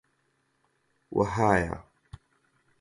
وەهایە: